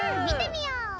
みてみよう！